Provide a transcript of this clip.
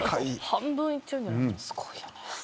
半分いっちゃうんじゃない、すごいよね。